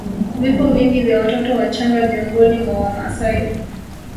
Vifo vingi vya watoto wachanga miongoni mwa Wamasai